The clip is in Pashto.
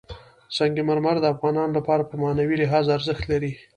سنگ مرمر د افغانانو لپاره په معنوي لحاظ ارزښت لري.